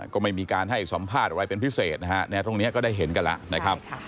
ก็ไม่มีการให้สัมภาษณ์อะไรเป็นพิเศษนะฮะตรงนี้ก็ได้เห็นกันแล้วนะครับ